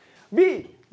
「Ｂ！